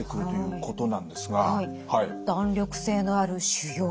弾力性のある腫瘍